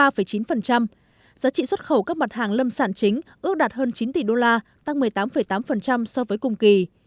giá trị xuất khẩu các mặt hàng lâm sản chính ước đạt hơn chín tỷ đô la tăng một mươi tám tám so với cùng kỳ